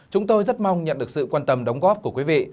chúng tôi rất mong nhận được sự quan tâm đóng góp của quý vị